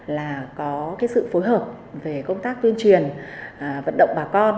là có cái sự phối hợp về công tác tuyên truyền vận động bà con